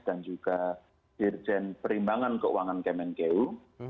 dan juga dirjen perimbangan keuangan kemenkeu